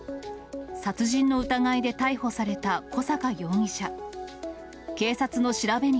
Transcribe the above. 殺人の疑いで逮捕された小坂容疑者。